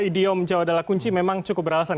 idiom jawa adalah kunci memang cukup beralasan